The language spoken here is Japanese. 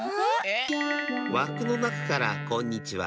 わくのなかからこんにちは。